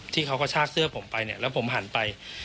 ที่เขากระชากเสื้อผมไปเนี่ยแล้วผมหันไป